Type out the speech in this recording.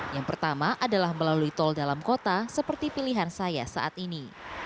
yang pertama adalah melalui tol dalam kota seperti pilihan saya saat ini